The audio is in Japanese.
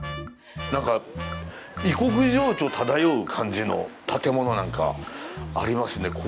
なんか、異国情緒漂う感じの建物なんかがありますね。